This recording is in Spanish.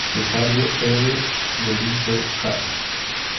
Cesáreo L. Berisso, Cap.